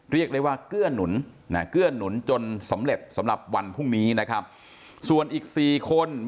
เรียกเลยว่าเกื่อนหนุน